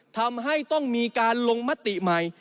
ทำให้ต้องมีการลงมติใหม่